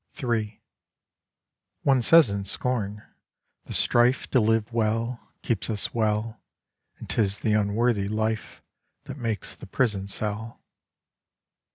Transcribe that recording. III One says in scorn, 'The strife To live well keeps us well, And 'tis the unworthy life That makes the prison cell.